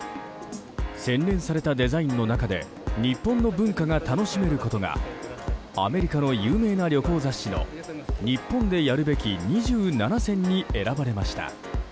洗練されたデザインの中で日本の文化が楽しめることがアメリカの有名な旅行雑誌の日本でやるべき２７選に選ばれました。